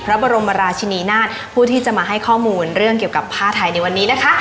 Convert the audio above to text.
พระบรมราชินีนาฏผู้ที่จะมาให้ข้อมูลเรื่องเกี่ยวกับผ้าไทยในวันนี้นะคะ